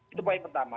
itu poin pertama